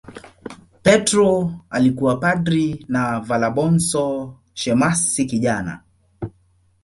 Petro alikuwa padri na Valabonso shemasi kijana.